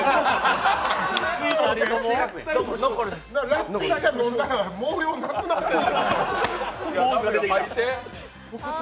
ラッピー茶飲んだら毛量なくなったん。